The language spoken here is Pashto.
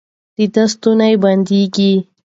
د ده ستونی بندېږي.